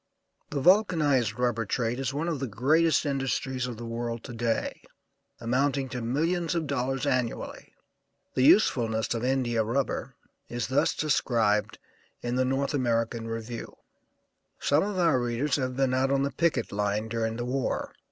The vulcanized rubber trade is one of the greatest industries of the world to day, amounting to millions of dollars annually. The usefulness of India rubber is thus described in the North American Review: "Some of our readers have been out on the picket line during the war.